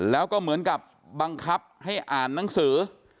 แล้วก็เหมือนกับบังคับให้อ่านหนังสือ